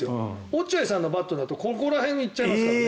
落合さんのバットだとこれくらい行っちゃいますからね。